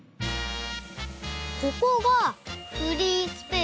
ここがフリースペース？